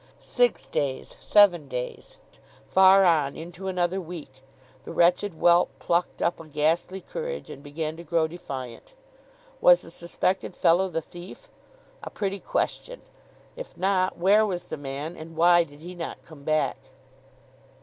Six days, seven days, far on into another week. The wretched whelp plucked up a ghastly courage, and began to grow defiant. 'Was the suspected fellow the thief? A pretty question! If not, where was the man, and why did he not come back?